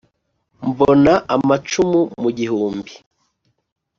mbona amacumu mu gihumbi